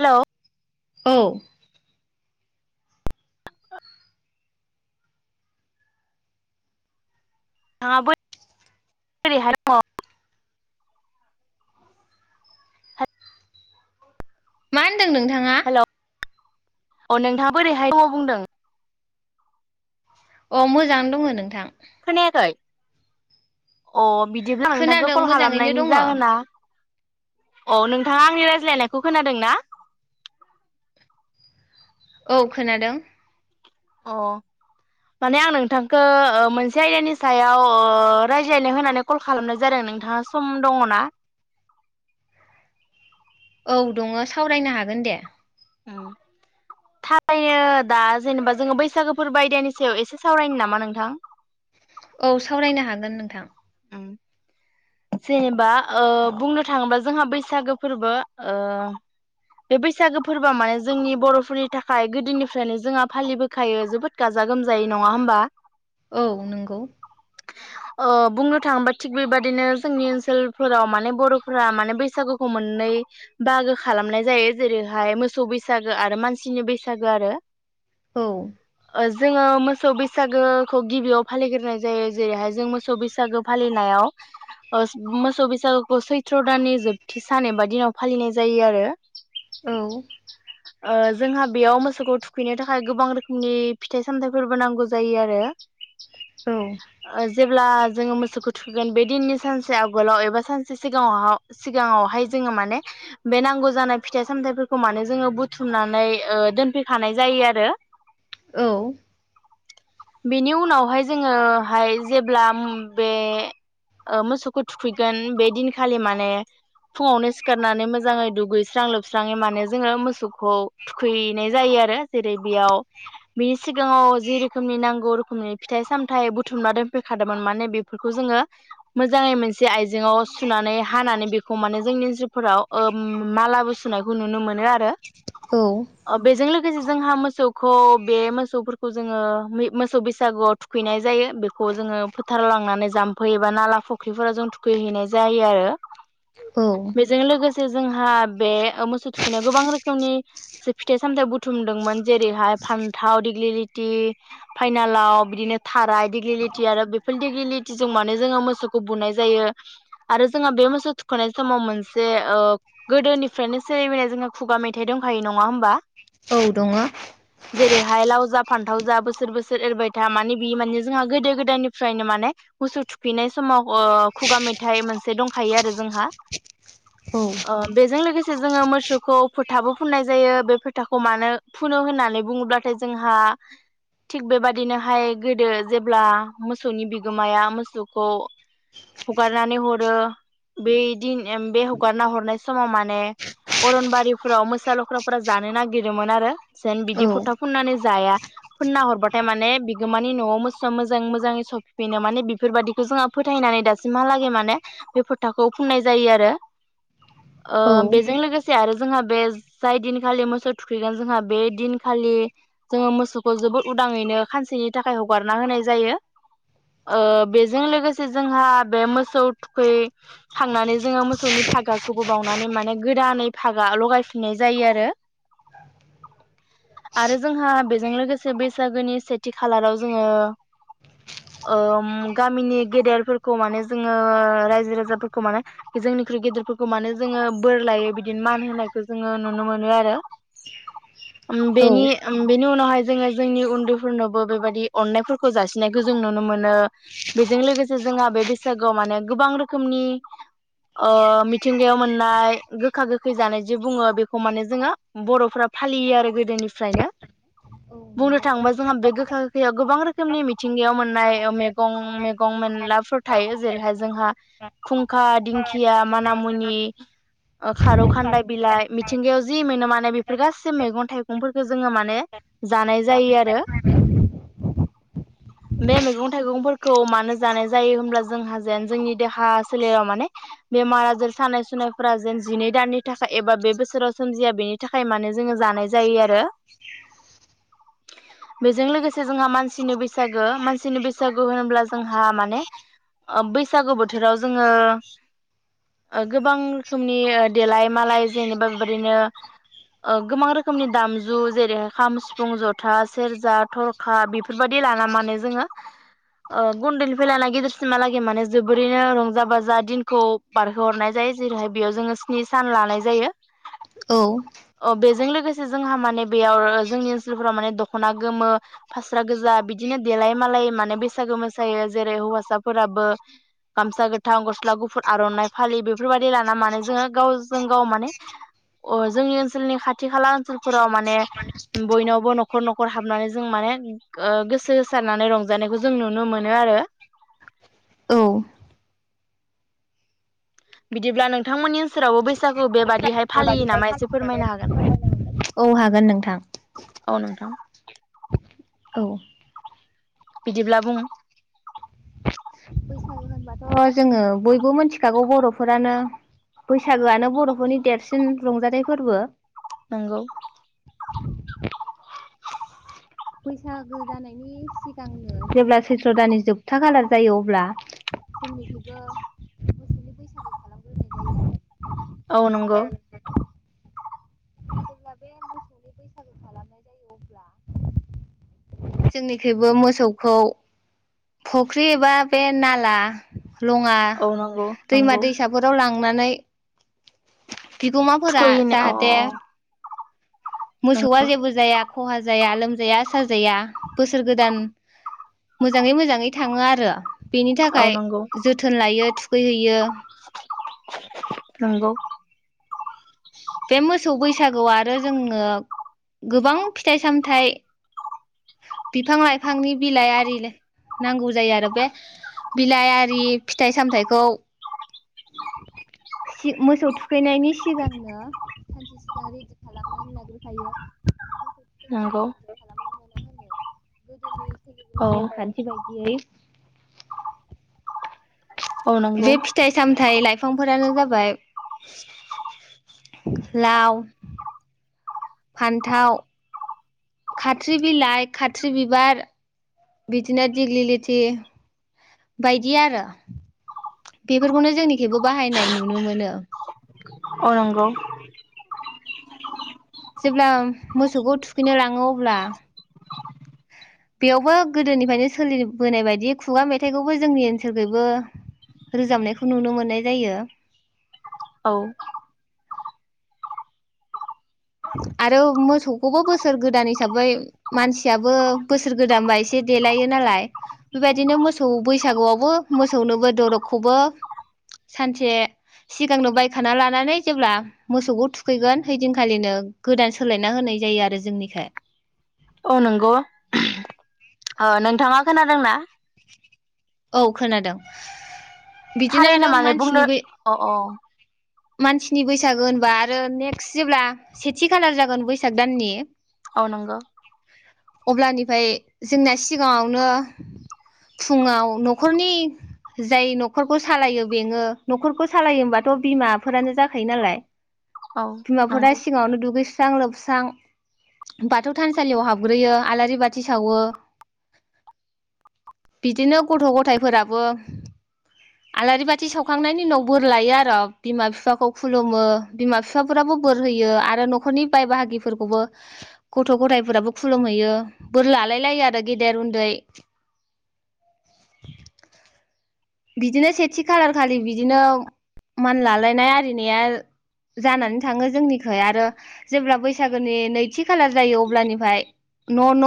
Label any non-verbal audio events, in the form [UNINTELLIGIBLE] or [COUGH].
हेल'। औ। नोंथा [INAUDIBLE] ङा बोरै [INAUDIBLE] हाय दङ [INAUDIBLE] [UNINTELLIGIBLE] मा। होनदों नोंथाङा। हेलौ अ नोंथाङा बोरैहाय दङ' बुंदों। अ मोजां दङ नोंथां। खोनायाखै। अ बिदिब्ला नोंथांखौ खोनादों कल मोजाङैनो खालामनायनि दङ जाहोना। औ नोंथाङा आंनि रायज्लायनायखौ खोनादों ना। औ खोनादों। अ माने आं नोंथांखौ मोनसे आयदानि सायाव रायज्लायनो होनानै कल खालामनाय जादों नोंथाङा सम दङ ना। औ दङ सावरायनो हागोन दे। औ थारैनो दा जेनेबा जोङो बैसागोफोर बायदियानि सायाव एसे सावरायनो नामा नोंथां। औ सावरायनो हागोन नोंथां। उम जेनेबा ओ बुंनो थाङोबा जोंहा बैसागो फोरबो ओ बे बैसागो फोरबोआ माने जोंनि बर'फोरनि थाखाय गोदोनिफ्रायनो जोंहा फालिबोखायो जोबोद गाजा गोमजायै नङा होमबा। औ नंगौ। अ। बुंनो थाङोबा थिग बेबादिनो जोंनि ओनसोलफोराव माने बर'फोरा माने बैसागोखौ मोननै बाहागो खालामनाय जायो जेरैहाय मोसौ बैसागो आरो मानसिनि बैसागो आरो। औ ओ जोङो मो मोसौ‌ बैसागोखौ गिबियाव फालिग्रोनाय जायो जेरैहाय जों मोसौ बैसा बैसागो फालिनायाव ओ मोसौ बैसागोखौ सैथ्र' दाननि जोबथि सान एबा दिनाव फालिनाय जायो आरो। औ। ओ जोंहा बेयाव मोसौखौ थुखैनो थाखाय गोबां रोखोमनि फिथाइ सामथाइफोरबो नांगौ जायो आरो। औ जेब्ला। जोङो मोसौखौ थुखैगोन बे दिननि सानसे आगोलाव एबा सानसे सिगाङाव सिगाङावहाय जोङो माने बे नांगौ जानाय फिथाइ सामथायाइफोरखौ माने जोङो बुथुमनानै ओ दोनफैखानाय जायो आरो औ बेनि उनावहाय जोङोहाय जेब्ला बे ओ मोसौखौ थुखैगोन बे दिनखालि माने फुङावनो सिखारनानै मोजाङै दुगैस्रां लोबस्राङै माने जोङो मोसौखौ थुखैनाय जायो आरो जेरै बेयाव बेनि सिगाङाव जि रोखोमनि नांगौ रोखोमनि फिथाइ सामथाइ बुथुमना दोनफेरखादोंमोन माने बे फोरखौ जोङो मोजाङै मोनसे आइजेङाव सुनानै हानानै बेखौ माने जोंनि ओनसोलफोराव ओ मा-मालाबो सुनायखौ नुनो मोनो आरो औ अ बेजों लो लोगोसे जोंहा मोसौखौ बे मोसौफोरखौ जोङो मोसौ बैसागुआव थुखैनाय जायो बेखौ जोङो फोथार लां नानै जाम्फै एबा नाला फुख्रिफोराव जों थुखैहैनाय जायो आरो। औ बेजों लोगोसे जोंहा बे मोसौ थुखैनायाव गोबां रोखोमनि फिथाइ सामथाइ बुथुमदोंमोन जेरैहाय फान्थाव दिग्लिलिथि फाइनालाव बिदिनो थाराय दिग्लिथि आरो बेफोर दिग्लिलिटिजों मानो जोङो मोसौखौ बुनाय जायो आरो जोंहा बे मोसौ थुखांनाय समाव मोनसे ओ गोदोनिफ्रायनो सोलिबोननाय जोंहा खुगा मेथाइ दंखायो नङा होमबा। औ दङो। जेरैहाय लाव जा फान्थाव जा बोसोर बोसोर एरबाय था माने बि माने जोंहा गोदो गोदायनि फ्रायनो माने मोसौ थुखैनाय समाव ओ खुगा मेथाइ मोनसे दंखायो आरो जोंहा। ओ बेजों लोगोसे जोङो मोसौखौ फोथाबो फुननाय जायो बे फोथाखौ मानो फुनो होननानै बुङोब्लाथाय जोंहा, थिग बेबादिनोहाय गोदो जेब्ला मोसौनि बिगोमाया मोसौखौ, हगारनानै हरो बेदिन बे हगारना हरनाय समाव माने अरनबारिफोराव मोसा लख्राफोरा जानो नागिरोमोन आरो जेन औ बिदि फथा फुननानै जाया फुनना हरबाथाय माने बिगोमानि न'आव मोसौ मोज मोजाङै सफैनो माने बेफोरबायादिखौ जोंहा फोथायनानै दासिमहालागै माने बे फोथाखौ फुननाय जायो आरो। ओ औ बेजों लोगोसे आरो जोंहा बे जाय दिनखालि मोसौ थुखैगोन जोंहा बे दिनखालि जोङो मोसौखौ जोबोद उदाङैनो खानसेनि थाखाय हगारना होनाय जायो। बेजों लोगोसे जोंहा बे मोसौ थुखै खांनानै जोङो मोसौनि फागाखौबो बावनानै माने गोदानै फगा लगायफिननाय जायो आरो आरो जोंहा बेजों लोगोसे बैसागोनि सेथि खालाराव जोङो ओम गामिनि गेदेरफोरखौ माने जोङो रायजो राजाफोरखौ माने जोंनिख्रुइ गेदेरफोरखौ माने जोङो बोर लायो बिदिनो मान होनायखौ जोङो नुनो मोनो आरो। ओम औ बेनि ओम बेनि उनावहाय जोङो जोंनि उन्दैफोरनावबो बेबायदि अननायफोर खौ जासिनायखौ जों नुनो मोनो बेजों लोगोसे जोंहा बे बैसागोआव माने गोबां रोखोमनि, ओ मिथिंगायाव मोननाय गोखा गोखै जानाय जे बुङो बेखौ माने जोङो बर'फ्रा फालियो आरो गोदोनिफ्रायनो। बुंनो नंगौ। थाङोबा जोंहा बे गोखा गोखैयाव गोबां रोखो मनि मिथिंगायाव मोननाय मैगं मैगं मेनलाफोर थायो जेरैहाय जोंहा खुंखा, दिंखिया, मानामुनि, खारौ खान्दा बिलाइ मिथिंगायाव जि मोनो माने बेफोर गासै मैगं थाइगंफोरखौ जोङो माने जानाय जायो आरो। [INAUDIBLE] बे मैगं थाइगंफोरखौ मानो जानाय जायो होमब्ला जोंहा जेन जोंनि देहा सोलेराव माने बेमार आजार सानाय सुनायफोरा जेन जिनै दाननि थाखाय एबा बे बोसोराव सोमजिया बेनि थाखाय मानो जोङो जानाय जायो आरो। बेजों लोगोसे जोंहा मान सिनि बैसागो मानसिनि बैसागो होनोब्ला जोंहा माने बैसागो बोथोराव जोङो, ओ गोबां रोखोमनि देलाय मालाय जेनबा बेबायदिनो ओ गोबां रोखोमनि दामजु जेरैहाय खाम सिफुं जथा सेरजा थरखा बि फोरबायदि लाना माने जोङो गुन्दैनिफ्राय लाना गेदिरसिमहालागै माने जोबोरैनो रंजा बाजा दिनखौ बारहोहरनाय जायो जेरैहाय बेयाव जोङो स्नि सान लानाय जायो। औ बेजों लोगोसे जोंहा माने बेयाव जोंनि ओनसोलफोराव माने दख'ना गोमो फास स्रा गोजा बिदिनो देलाय मालाय माने बैसागो मोसायो जेरै हौवासाफोराबो गामसा गोथां गस्ला गुफुर आर'नाइ फालि बेफोरबायाददि लाना माने जोङो गावजों गाव माने जोंनि ओनसोलनि खाथि खाला ओनसोलफोराव माने बयनावबो न'खर न'खर हाबनानै जों माने ओ गोसो होसारनानै रंजानायखौ जों नुनो मोनो आरो। औ बिदिब्ला नोंथांमोननि ओनसोलावबो बैसागु बेबा [INAUDIBLE] औ हागोन नोंथां। औ नोंथां औ बिदिब्ला बुं [INAUDIBLE] थ' जोङो बयबो मिथिखागौ बर'फोरानो बैसागोआनो बर'फोरनि देरसिन रंजाथाइ फोरबो। नंगौ [INAUDIBLE] बैसागो जानायनि सिगांनो जेब्ला सैथ्र दाननि जोबथा खालार जायो अब्ला जोंनिथिंबो मोसौनि बैसागो औ नंगौ बे मोसौनि बैसागु खालामनाय जायो अब्ला जोंनिख्रुइबो मोसौखौ फुख्रि एबा बे नाला लङा, औ नंगौ दैमा नंगौ दैसाफोराव लां नानै बिगोमाफोरा थुखैयैनो अ जाहाथे अ मोसौआ जेबो जाया। खहा जाया लोमजाया साजाया बोसोर गोदान मोजाङै मोजाङै थाङो आरो बेनि औ थाखाय नंगौ जोथोन लायो थुखैहैयो। नंगौ। बे मोसौ बैसागौ आरो जोंनो गोबां फिथाइ सामथाइ बिफां लाइफांनि बिलाइ आरिले नांगौ जायो आरो बे बिलाइ आरि फिथाइ सामथाइखौ सि मोसौ थुखैनायनि सिगांनो सानसे सिगां रेडि खालामनानै लाग्रोखायो। मोसौ थुखैखालि नंगौ रेडि खालामनो हायो। मा होनो गोदोनि औ सोलिबोनाय नेमखान्थि बायदि यै औ बे नंगौ फिथाइ सामथाइ लाइफ फांफोरानो जाबाय लाव फान्थाव खाथ्रि बिलाइ खाथ्रि बिबार बिदिनो दिग्लि लिथि बायदि आरो बेफोरखौनो जोंनिखैबो बाहायनाय नुनो मोनो । अ नंगौ। जेब्ला मोसौखौ थुखैनो लाङो अब्ला बेयावबो गोदोनिफायनो सोलिबोनाय बायदि खुगा मेथाइखौबो जोंनि ओनसोलखैबो रोजाबनायखौ नुनो मोननाय जायो । औ आरो मोसौखौबो बोसोर गोदान हिसाबै मानसियाबो बोसोर गोदानबा एसे देलायो नालाय बेबायदिनो मोसौ बैसागुआवबो मोसौनोबो दरबखौबो सानसे सिगांनो बायखाना लानानै जेब्ला मोसौखौ थुखैगोन हैदिनखालिनो गोदान सोलायना होनाय जायो आरो जोंनिखे औ नंगौ ओ नोंथाङा खोनादोंना? औ खोनादों। बिदिनो थारै आरो नामालै बुंनो मानसिनि बै अ अ मानसिनि बैसागो होनबा आरो नेक्स्ट जेब्ला सेथि खालार जागोन बैसाग दाननि अ नंगो। अब्लानिफाय जोंना सिगाङावनो फुङाव न'खरनि जाय न'खरखौ सालायो बेङो न'खरखौ सालायो होमबाथ' बिमा फोरानो जाखायो नालाय औ बिमाफोरा नंगौ सिगाङावनो दुगैस स्रां लोबस्रां बाथौ थानसालियाव हाबग्रोयो आलारि बाथि सावो बिदिनो गथ' गथायफोराबो आलारि बाथि सावखांनायनि उनाव बोर लायो आरो बिमा फिफाखौ खुलुमो बिमा फिफाफोराबो बोर होयो आरो न'खरनि बाय बाहागिफोरखौबो गथ' गथायफोराबो खुलुमहैयो बोर लालाय लायो आरो गेदेर उन्दै। बिदिनो सेथि खालार खालि बिदिनो मानलालायनाय आरिनाया जानानै थाङो जोंनिखै आरो जेब्ला बैसागोनि नैथि खालार जायो अब्लानिफाय न' न'